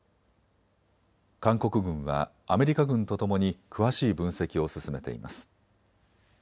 韓国軍はアメリカ軍とともに詳しい分析を進めています。